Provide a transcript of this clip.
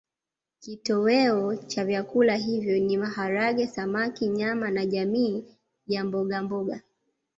Kitoweo cha vyakula hivyo ni maharage samaki nyama na jamii ya mbogamboga